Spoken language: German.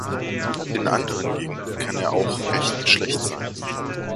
In anderen Gegenden kann er auch recht schlecht sein.